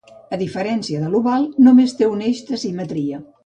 A diferència de l'oval, només té un eix de simetria.